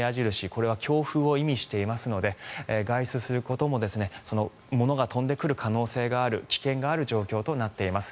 これは強風を意味していますので外出することも物が飛んでくる可能性がある危険がある状況となっています。